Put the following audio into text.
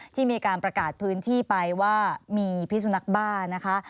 ที่มีการประกาศพื้นที่ไปว่ามีพิสุนักบ้านะคะ